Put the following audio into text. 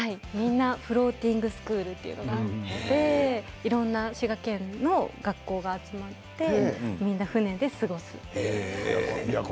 フローティングスクールというのがあっていろんな滋賀県の学校が集まってみんな船で過ごすんです。